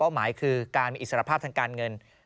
หมายคือการมีอิสรภาพทางการเงิน